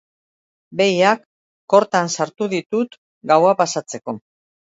Behiak kortan sartu ditut gaua pasatzeko.